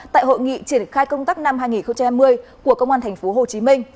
tại hội nghị triển khai công tác năm hai nghìn hai mươi của công an tp hcm